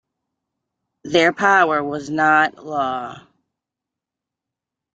Their power was "not" law.